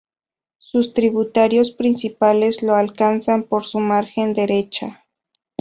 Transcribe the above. Sus tributarios principales lo alcanzan por su margen derecha.